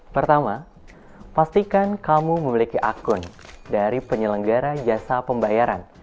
pertama pastikan kamu memiliki akun dari penyelenggara jasa pembayaran